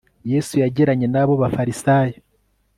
yesu yagiranye n'abo bafarisayo